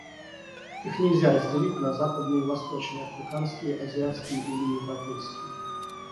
Их нельзя разделить на западные и восточные, африканские, азиатские или европейские.